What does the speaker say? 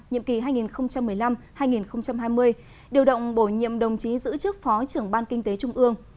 nhiệm kỳ hai nghìn một mươi năm hai nghìn hai mươi điều động bổ nhiệm đồng chí giữ chức phó trưởng ban kinh tế trung ương